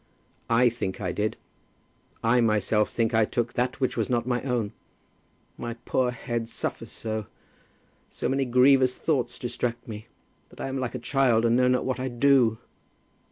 "I think I did. I myself think I took that which was not my own. My poor head suffers so; so many grievous thoughts distract me, that I am like a child, and know not what I do."